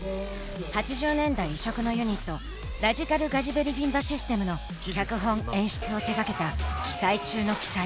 ８０年代異色のユニットラジカル・ガジベリビンバ・システムの脚本演出を手がけた奇才中の奇才。